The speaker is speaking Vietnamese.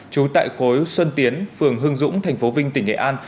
trú tại khối xuân tiến phường hương dũng tp vinh tỉnh nghệ an